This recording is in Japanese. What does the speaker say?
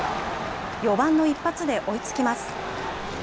４番の１発で追いつきます。